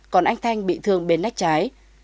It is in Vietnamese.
còn anh thanh bị thương bên lách trái